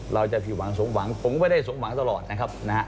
เราจะผิดหวังสมหวังผมก็ไม่ได้สมหวังตลอดนะครับนะฮะ